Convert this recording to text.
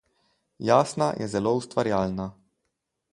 Jasna je zelo ustvarjalna.